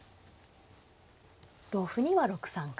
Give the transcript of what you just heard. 同歩には６三角。